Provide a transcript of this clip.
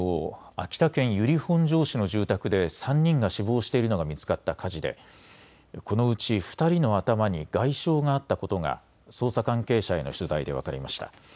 秋田県由利本荘市の住宅で３人が死亡しているのが見つかった火事でこのうち２人の頭に外傷があったことが捜査関係者への取材で分かりました。